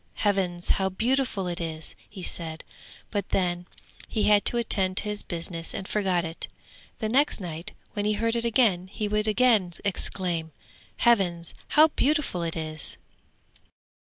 'Heavens, how beautiful it is!' he said, but then he had to attend to his business and forgot it. The next night when he heard it again he would again exclaim, 'Heavens, how beautiful it is!'